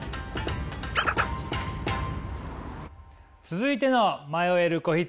続いての迷える子羊。